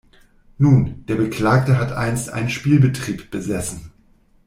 Nun, der Beklagte hat einst einen Spielbetrieb besessen.